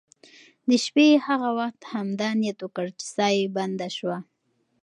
د شپې یې هغه وخت همدا نیت وکړ چې ساه یې بنده شوه.